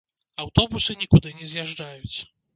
Аўтобусы нікуды не з'язджаюць.